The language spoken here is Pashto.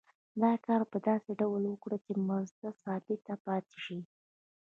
دا کار په داسې ډول وکړي چې مزد ثابت پاتې شي